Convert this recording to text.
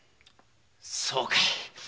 そうかい。